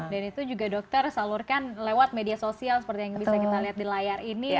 dan itu juga dokter salurkan lewat media sosial seperti yang bisa kita lihat di layar ini